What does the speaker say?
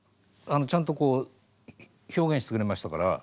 ちゃんとこう表現してくれましたから。